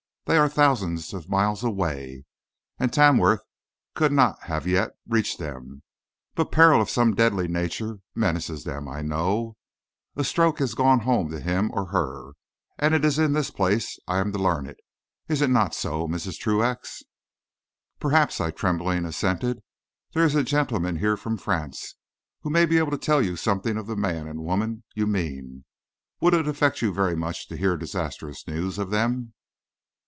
They are thousands of miles away, and Tamworth could not have yet reached them, but peril of some deadly nature menaces them, I know. A stroke has gone home to him or her, and it is in this place I am to learn it; is it not so, Mrs. Truax?" "Perhaps," I tremblingly assented. "There is a gentleman here from France who may be able to tell you something of the man and the woman you mean. Would it affect you very much to hear disastrous news of them?"